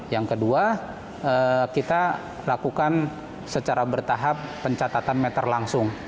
yang kedua kita lakukan secara bertahap pencatatan meter langsung